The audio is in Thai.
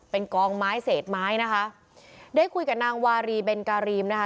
เป็นกองไม้เศษไม้นะคะได้คุยกับนางวารีเบนการีมนะคะ